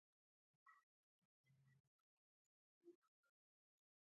جګړن مې ولید چې د مېز تر شا ناست وو.